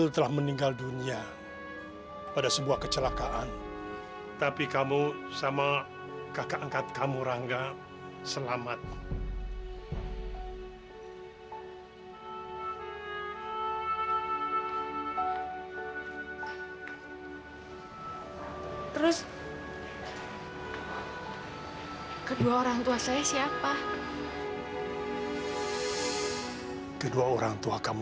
tentu saja kamu tidak mengenal kedua orang tua kamu